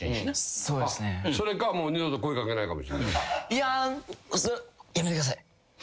いややめてください。